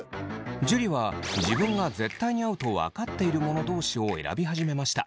樹は自分が絶対に合うと分かっているもの同士を選び始めました。